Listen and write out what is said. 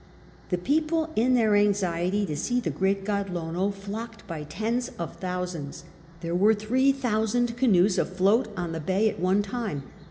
The people, in their anxiety to see the great god Lono, flocked by tens of thousands. There were three thousand canoes afloat on the bay at one time.